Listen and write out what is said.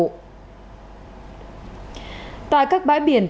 tại các bãi biển đất nước đất nước đất nước đất nước đất nước đất nước đất nước